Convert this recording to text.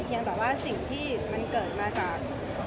ยังแต่ว่าสิ่งที่มันเกิดมาจาก